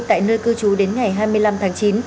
tại nơi cư trú đến ngày hai mươi năm tháng chín